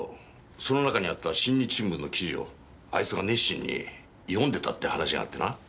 その中にあった新日新聞の記事をあいつが熱心に読んでたって話があってな。